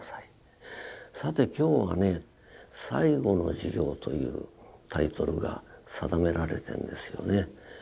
さて今日はね「最後の授業」というタイトルが定められてんですよね。